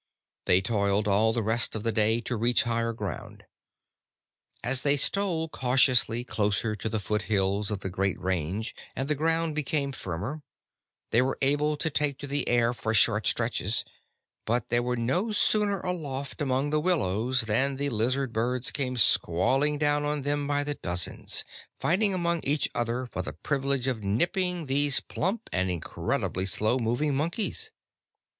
They toiled all the rest of the day to reach higher ground. As they stole cautiously closer to the foothills of the Great Range and the ground became firmer, they were able to take to the air for short stretches, but they were no sooner aloft among the willows than the lizard birds came squalling down on them by the dozens, fighting among each other for the privilege of nipping these plump and incredibly slow moving monkeys.